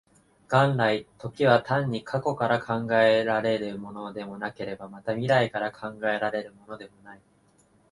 元来、時は単に過去から考えられるものでもなければ、また未来から考えられるものでもない。